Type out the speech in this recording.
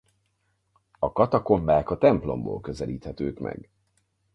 A katakombák a templomból közelíthetők meg.